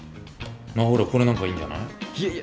あっほらこれなんかいいんじゃない？